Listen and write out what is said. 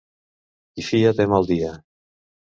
Qui fia té mal dia.